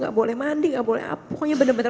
gak boleh mandi gak boleh berlutut gak boleh berlutut